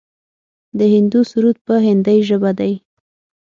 د هندو سرود په هندۍ ژبه دی.